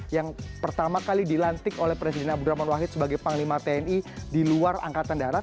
yang pertama kali dilantik oleh presiden abdurrahman wahid sebagai panglima tni di luar angkatan darat